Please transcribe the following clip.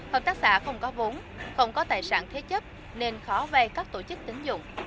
hợp tác xã không có vốn không có tài sản thế chấp nên khó vay các tổ chức tính dụng